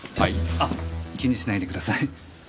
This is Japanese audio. あっ気にしないでください。